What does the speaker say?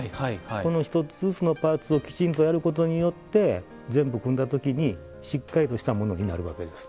この１つずつのパーツをきちんとやることによって全部組んだときにしっかりとしたものになるわけです。